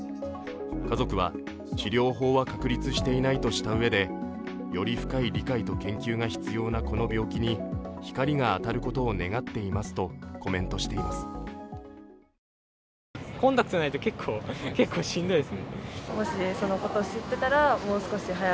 家族は、治療法は確立していないとしたうえで、より深い理解と研究が必要なこの病気に光が当たることを願っていますとコメントしています。